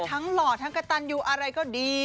หล่อทั้งกระตันยูอะไรก็ดี